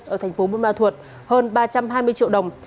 ở thành phố bôn ma thuật hơn ba trăm hai mươi triệu đồng